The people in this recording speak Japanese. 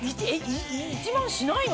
１万しないの？